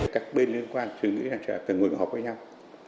các bên liên quan tôi nghĩ là phải ngồi ngọc với nhau